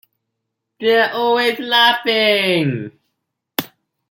They’re always laughing.